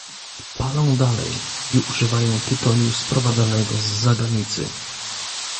Palą dalej i używają tytoniu sprowadzanego z zagranicy